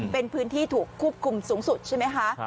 เป็นพื้นที่ถูกควบคุมสูงสุดใช่ไหมคะ